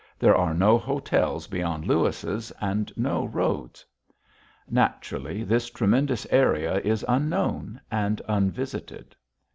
There are no hotels beyond Lewis's, and no roads. Naturally, this tremendous area is unknown and unvisited.